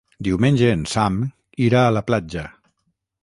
Diumenge en Sam irà a la platja.